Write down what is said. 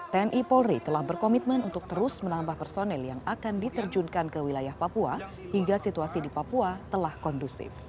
tni polri telah berkomitmen untuk terus menambah personil yang akan diterjunkan ke wilayah papua hingga situasi di papua telah kondusif